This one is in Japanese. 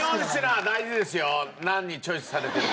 何チョイスされてるか。